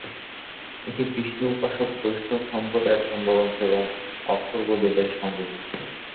এটি বিষ্ণু-উপাসক বৈষ্ণব সম্প্রদায়ের ধর্মগ্রন্থ এবং অথর্ববেদের সঙ্গে যুক্ত।